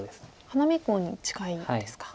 花見コウに近いんですか。